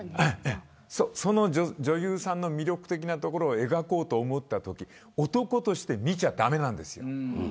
その女優さんの魅力的なところを描こうと思ったときに男として見ちゃ駄目です。